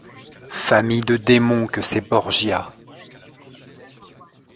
Famille de démons que ces Borgia !